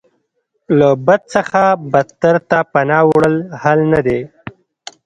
له بد څخه بدتر ته پناه وړل حل نه دی.